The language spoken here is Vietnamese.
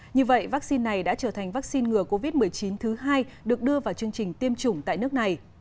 như vậy vaccine này đã trở thành vaccine ngừa covid một mươi chín thứ hai được đưa vào chương trình tiêm chủng tại nước này